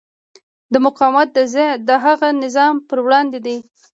دا مقاومت د هغه نظام پر وړاندې دی.